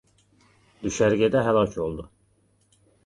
Düşərgədə həlak oldu.